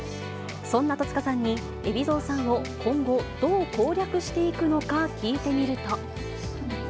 そんな戸塚さんに、海老蔵さんを今後、どう攻略していくのか聞いてみると。